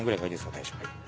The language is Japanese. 大将。